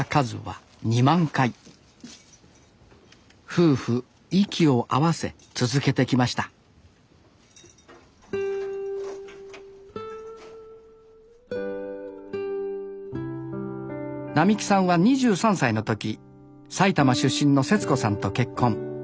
夫婦息を合わせ続けてきました並喜さんは２３歳の時埼玉出身のせつ子さんと結婚。